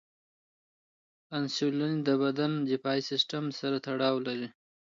انسولین د بدن دفاعي سیستم سره تړاو لري.